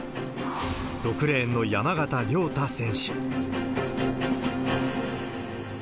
６レーンの山縣亮太選手。